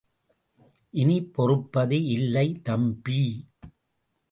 இனி பொறுப்பது இல்லை தம்பீ!